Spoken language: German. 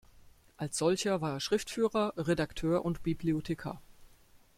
Als solcher war er Schriftführer, Redakteur und Bibliothekar.